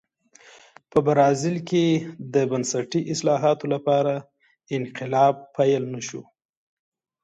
په برازیل کې د بنسټي اصلاحاتو لپاره انقلاب پیل نه شو.